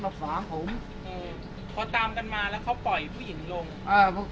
เขาตามกันมาแล้วเค้าปล่อยผู้หญิงลง